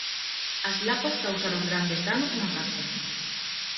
As lapas causaron grandes danos na casa.